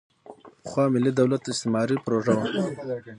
پخوا ملي دولت استعماري پروژه وه.